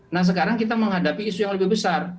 nah sekarang kita menghadapi isu yang lebih besar